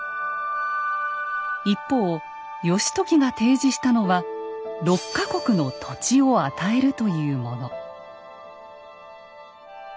一方義時が提示したのは「六か国の土地を与える」というもの。